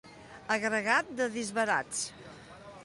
Agregat de disbarats.